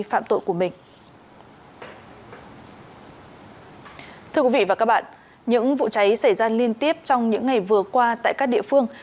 thưa quý vị và các bạn những vụ cháy xảy ra liên tiếp trong những ngày vừa qua tại các địa phương